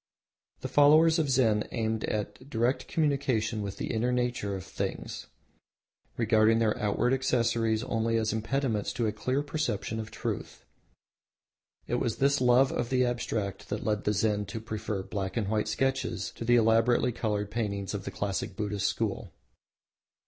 The followers of Zen aimed at direct communion with the inner nature of things, regarding their outward accessories only as impediments to a clear perception of Truth. It was this love of the Abstract that led the Zen to prefer black and white sketches to the elaborately coloured paintings of the classic Buddhist School.